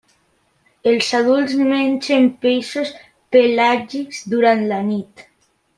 Els adults mengen peixos pelàgics durant la nit.